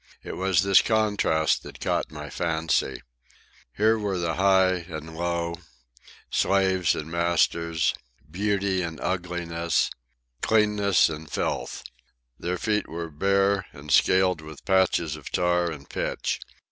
It was this contrast that caught my fancy. Here were the high and low, slaves and masters, beauty and ugliness, cleanness and filth. Their feet were bare and scaled with patches of tar and pitch.